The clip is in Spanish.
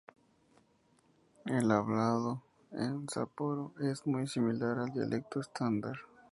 El hablado en Sapporo es muy similar al dialecto estándar.